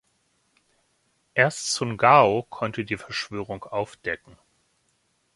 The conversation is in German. Erst Sun Gao konnte die Verschwörung aufdecken.